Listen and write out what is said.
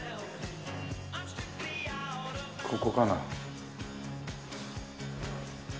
ここかな？